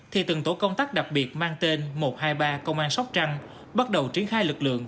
thì từng tổ công tác đặc biệt mang tên một trăm hai mươi ba công an sóc trăng bắt đầu triển khai lực lượng